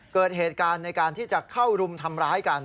เกิดเหตุการณ์ในการที่จะเข้ารุมทำร้ายกัน